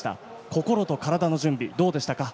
心と体の準備どうでしたか？